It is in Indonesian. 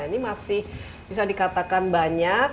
ini masih bisa dikatakan banyak